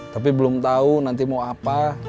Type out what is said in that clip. tapi belum tahu nanti mau apa